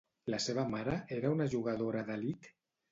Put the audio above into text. La seva mare era una jugadora d'elit?